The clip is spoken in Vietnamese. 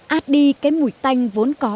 át đi cái mùi tanh vốn có